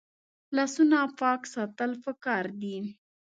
لاسونه پاک ساتل پکار دي